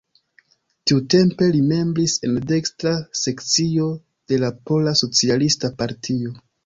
Tiutempe li membris en dekstra sekcio de la pola, socialista partio.